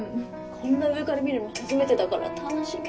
こんな上から見るの初めてだから楽しみ！